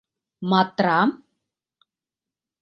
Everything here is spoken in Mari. — Матрам?!